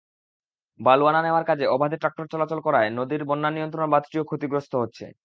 বালু আনা-নেওয়ার কাজে অবাধে ট্রাক্টর চলাচল করায় নদীর বন্যানিয়ন্ত্রণ বাঁধটিও ক্ষতিগ্রস্ত হচ্ছে।